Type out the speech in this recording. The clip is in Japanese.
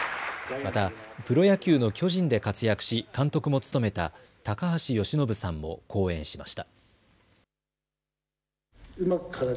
また、プロ野球の巨人で活躍し監督も務めた高橋由伸さんも講演しました。